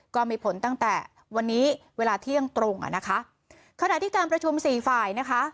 ก็มีผลตั้งแต่วันนี้เวลาเที่ยงตรงอ่ะนะคะขณะที่การประชุมสี่ฝ่ายนะคะ